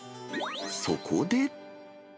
そこで。